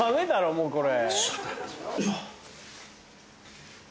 もうこれ。